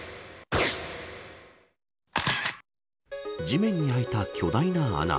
地面に開いた巨大な穴。